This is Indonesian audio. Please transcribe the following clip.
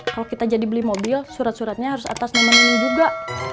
kalau kita jadi beli mobil surat suratnya harus atas nama ini juga